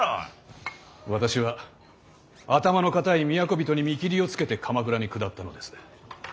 私は頭の固い都人に見切りをつけて鎌倉に下ったのです。